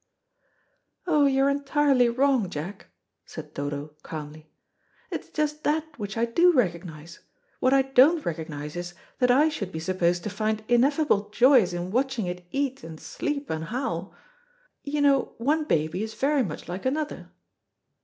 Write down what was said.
"Oh, you're entirely wrong, Jack," said Dodo calmly. "It's just that which I do recognise; what I don't recognise is that I should be supposed to find ineffable joys in watching it eat and sleep and howl. You know one baby is very much like another."